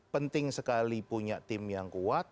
penting sekali punya tim yang kuat